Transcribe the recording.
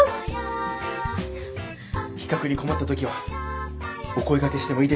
企画に困った時はお声がけしてもいいですか？